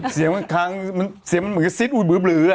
เสียงมันคล้างเสียงมันเหมือนกับซิดอุ๊ยบลื้อบลื้ออ่ะ